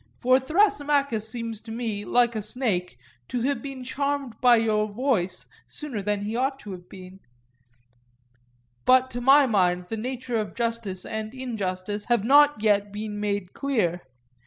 For Thrasymachus seems to me, like a snake, to have been charmed by your voice sooner than he ought to have been; but to my mind the nature of justice and injustice have not yet been made clear.